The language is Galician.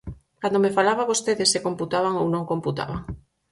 Cando me falaba vostede se computaban ou non computaban.